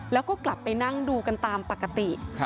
แล้วก็กลับไปนั่งดูกันตามปกติ